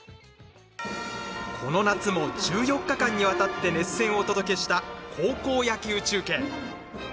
この夏も１４日間にわたって熱戦をお届けした高校野球中継。